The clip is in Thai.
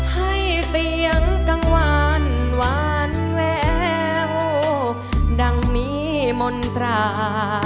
ให้เสียงกังวานหวานแววดังมีมนตรา